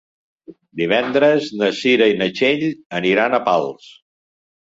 Divendres na Cira i na Txell aniran a Pals.